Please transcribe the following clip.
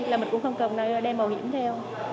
là mình cũng không cần đem mầu hiểm theo